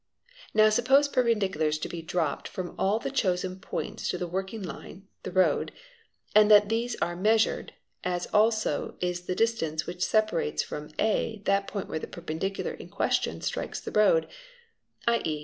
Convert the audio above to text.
Now suppose perpendiculars to be dropped from all the chosen points to the working line (the road) and that these ave measured, as also is the distance which separates from a that point where the perpendicular in question strikes the road, 7.e.